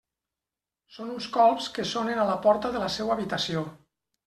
Són uns colps que sonen a la porta de la seua habitació.